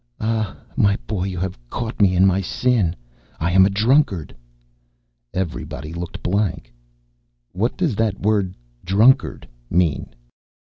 "Ah, my boy, you have caught me in my sin. I am a drunkard." Everybody looked blank. "What does that word drunkard mean?"